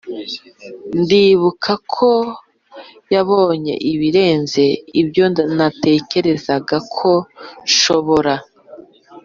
ndibuka ko yabonye ibirenze ibyo natekerezaga ko nshobora,